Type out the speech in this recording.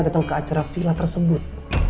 datang ke acara vila tersebut